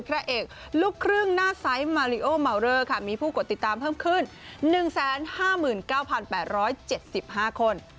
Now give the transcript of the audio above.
พระเอกลูกครึ่งหน้าไซส์มาริโอมาวเลอร์ค่ะมีผู้กดติดตามเพิ่มขึ้น๑๕๙๘๗๕คน